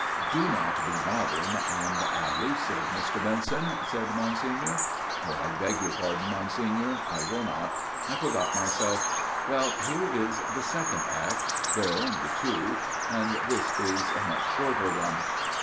" Do not be modern and allusive, Mr. Benson," said Monsignor. " I beg your pardon, Monsignor ; I will not. I forgot myself. Well, here is the second Act. There are only two ; and this is a much shorter one.